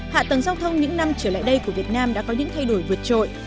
hạ tầng giao thông những năm trở lại đây của việt nam đã có những thay đổi vượt trội